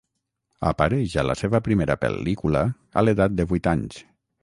Apareix a la seva primera pel·lícula a l'edat de vuit anys.